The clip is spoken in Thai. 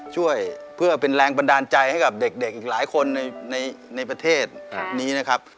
ช่วยเพื่อเป็นแรงบันดาลใจให้กับเด็กอีกหลายคนในประเทศนี้นะครับ